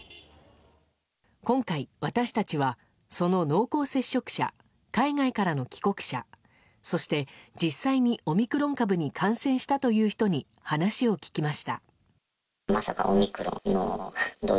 今回、私たちは、その濃厚接触者海外からの帰国者そして実際にオミクロン株に感染したという人に話を聞きました。